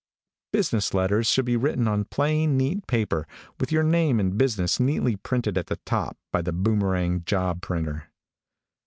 Business letters should be written on plain, neat paper, with your name and business neatly printed at the top by the Boomekang job printer.